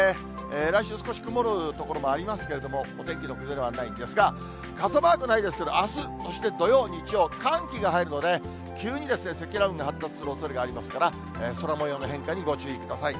来週、少し曇る所もありますけれども、お天気の崩れはないんですが、傘マークないですけど、あす、そして土曜、日曜、寒気が入るので、急に積乱雲が発達するおそれがありますから、空もようの変化にご注意ください。